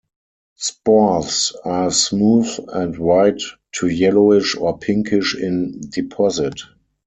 Spores are smooth and white to yellowish or pinkish in deposit.